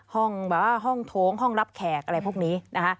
แบบว่าห้องโถงห้องรับแขกอะไรพวกนี้นะคะ